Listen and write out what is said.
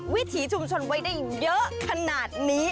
วิถีชุมชนไว้ได้เยอะขนาดนี้